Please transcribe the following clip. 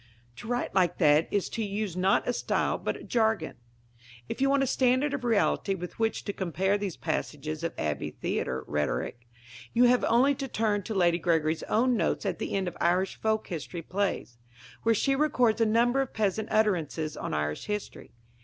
To write like that is to use not a style but a jargon. If you want a standard of reality with which to compare these passages of Abbey Theatre rhetoric, you have only to turn to Lady Gregory's own notes at the end of Irish Folk History Plays, where she records a number of peasant utterances on Irish history.